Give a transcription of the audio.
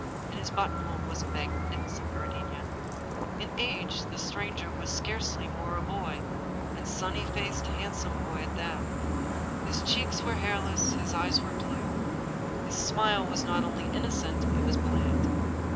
In his button hole was a magnificent gardenia. In age the stranger was scarcely more than a boy, and a sunny faced, handsome boy at that. His cheeks were hair less, his eyes were blue. His smile was not only innocent, it was bland.